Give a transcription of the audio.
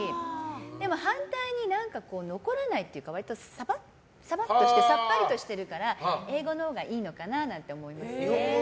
でも反対に、残らないというか割とさばっとしてさっぱりとしてるから英語のほうがいいのかなって思いますね。